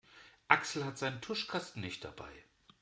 Axel hat seinen Tuschkasten nicht dabei.